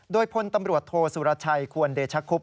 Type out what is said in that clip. โดยพลตำรวจโทสุรชัยควรเดชคุบ